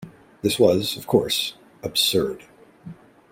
This was, of course, absurd.